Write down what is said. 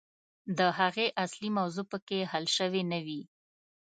د هغې اصلي موضوع پکښې حل سوې نه وي.